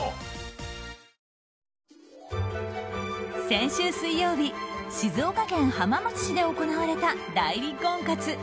先週水曜日静岡県浜松市で行われた代理婚活。